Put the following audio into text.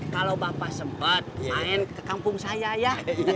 kalau bapak sempat main ke kampung saya ya